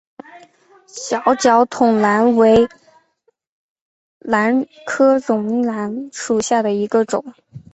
小脚筒兰为兰科绒兰属下的一个种。